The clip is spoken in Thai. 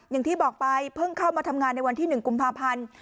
อย่างที่บอกไปเพิ่งเข้ามาทำงานในวันที่๑กุมภาพันธ์